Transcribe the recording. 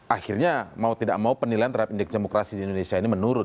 akhirnya mau tidak mau penilaian terhadap indeks demokrasi di indonesia ini menurun